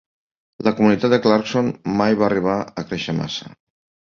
La comunitat de Clarkson mai va arribar a créixer massa.